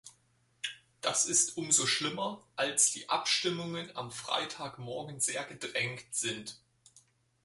Das ist um so schlimmer, als die Abstimmungen am Freitag morgen sehr gedrängt sind.